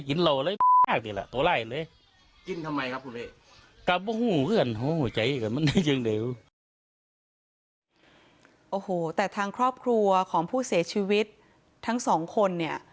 โอ้โหแต่ทางครอบครัวของผู้เสียชีวิตทั้งสองคนเนี่ย